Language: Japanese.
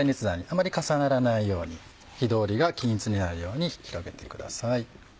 あまり重ならないように火通りが均一になるように広げてください。